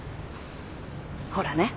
ほらね。